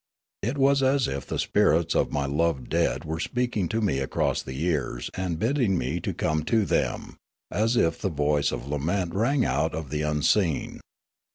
It was as if the spirits of my loved dead were speaking to me across the years and bidding me come to them, as if the voice of lament rang out of the unseen.